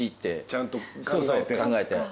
ちゃんと考えて。